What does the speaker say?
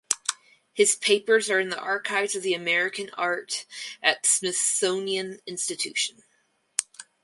His papers are in the Archives of American Art at Smithsonian Institution.